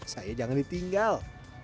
saya jangan ditinggal